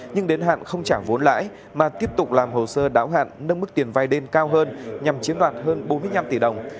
nhưng đến hạn không trả vốn lãi mà tiếp tục làm hồ sơ đáo hạn nâng mức tiền vai lên cao hơn nhằm chiếm đoạt hơn bốn mươi năm tỷ đồng